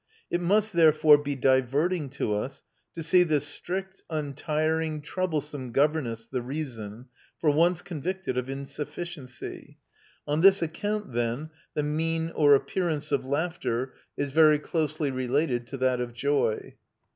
It must therefore be diverting to us to see this strict, untiring, troublesome governess, the reason, for once convicted of insufficiency. On this account then the mien or appearance of laughter is very closely related to that of joy.